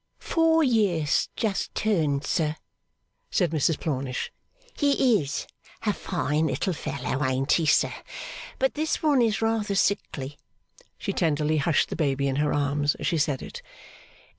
'Four year just turned, sir,' said Mrs Plornish. 'He is a fine little fellow, ain't he, sir? But this one is rather sickly.' She tenderly hushed the baby in her arms, as she said it.